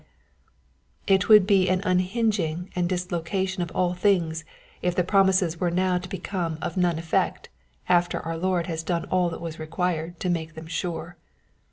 Jesus and the Promises, 129 It would be an unhinging and dislocation of all things if the promises were now to become of none effect after our Lord has done all that was required to make them sure.